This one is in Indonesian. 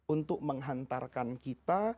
untuk menghantarkan kita